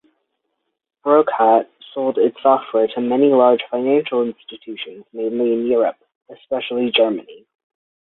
Brokat sold its software to many large financial institutions mainly in Europe, especially Germany.